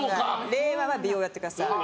令和は美容やってください。